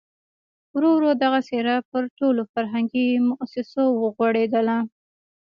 ورو ورو دغه څېره پر ټولو فرهنګي مؤسسو وغوړېدله.